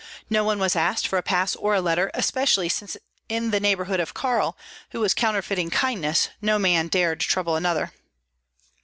No one was asked for a pass or a letter, especially since in the neighborhood of Karl, who was counterfeiting kindness, no man dared trouble another.